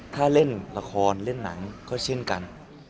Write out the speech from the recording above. ถ้าเล่นละครเล่นหนังก็เช่นกัน